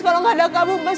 kalau gak ada kamu mas